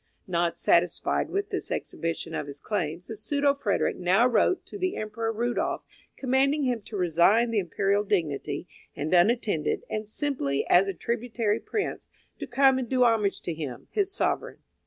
Not satisfied with this exhibition of his claims, the pseudo Frederick now wrote to the Emperor Rudolph commanding him to resign the imperial dignity, and unattended, and simply as a tributary prince, to come and do homage to him, his sovereign.